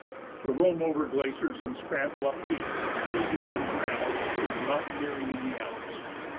To roam over glaciers and scramble up peaks free and untrammelled is mountaineering in the Alps.